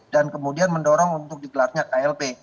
dan kemudian mendorong untuk digelarnya klp